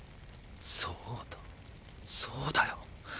そうだそうだよ！！